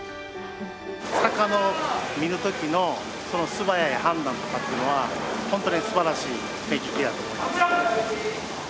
魚を見る時のその素早い判断とかっていうのは本当に素晴らしい目利きやと思います。